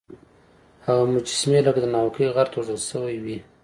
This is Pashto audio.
هغه مجسمې لکه د ناوکۍ غر توږل سوی وې.